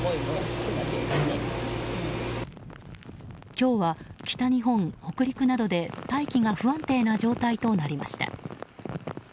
今日は北日本、北陸などで大気が不安定な状態となりました。